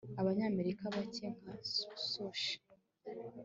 abanyamerika bake nka sushi